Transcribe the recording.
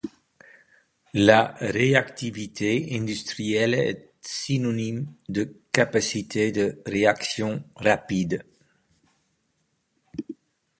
La réactivité industrielle est synomnyme de capacité de réaction rapide.